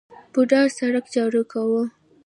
بوډا سرک جارو کاوه.